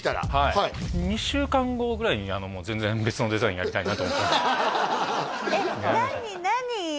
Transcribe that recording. はい２週間後ぐらいにもう全然別のデザインやりたいなと思ったんでえっ